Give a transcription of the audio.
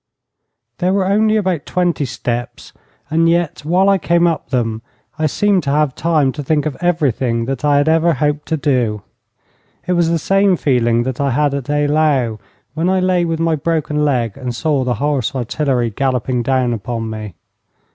There were only about twenty steps, and yet, while I came up them, I seemed to have time to think of everything that I had ever hoped to do. It was the same feeling that I had at Eylau when I lay with my broken leg and saw the horse artillery galloping down upon me.